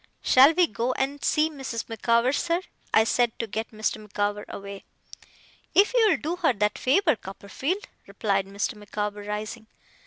'Shall we go and see Mrs. Micawber, sir?' I said, to get Mr. Micawber away. 'If you will do her that favour, Copperfield,' replied Mr. Micawber, rising.